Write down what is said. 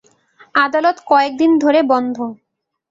আদালত কয়েকদিন ধরে বন্ধ।